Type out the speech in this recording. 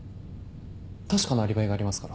確かなアリバイがありますから。